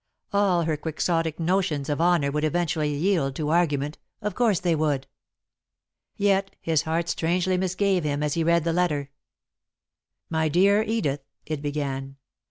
All her quixotic notions of honour would eventually yield to argument of course they would. Yet his heart strangely misgave him as he read the letter. "My dear Edith," it began.